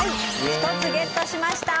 １つゲットしました。